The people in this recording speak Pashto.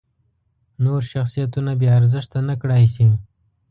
نور شخصیتونه بې ارزښته نکړای شي.